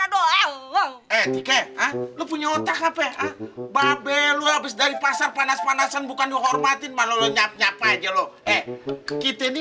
atau otak apa babel habis dari pasar panas panasan bukan dihormatin malah nyap nyap aja loh kita ini